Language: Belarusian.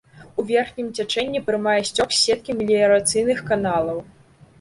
У верхнім цячэнні прымае сцёк з сеткі меліярацыйных каналаў.